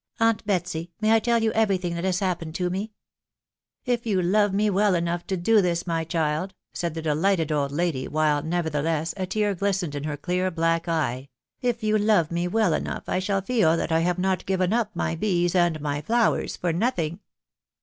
u Aunt Betsy, may I tell you every thing that has happened to me ?" "If you love me well enough to do this, my child," said the delighted old lady, while, nevertheless, a. tear glistened in her clear black eye> r " if you love me well enough, I shall feel that I have not given up my bees and my flowers for nothing."